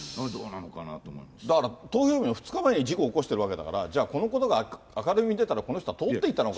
これ、だから、投票日の２日前に事故を起こしてるわけだから、じゃあ、このことが明るみに出たら、この人は通っていたのか。